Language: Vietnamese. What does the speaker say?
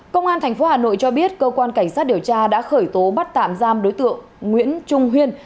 công an tp hà nội cho biết cơ quan cảnh sát điều tra đã khởi tố bắt tạm giam đối tượng nguyễn trung huyên